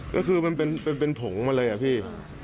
ก็คือมันเป็นผงมาเลยอะพี่